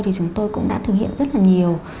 thì chúng tôi cũng đã thực hiện rất là nhiều